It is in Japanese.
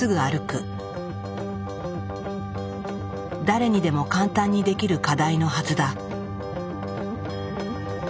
誰にでも簡単にできる課題のはずだ。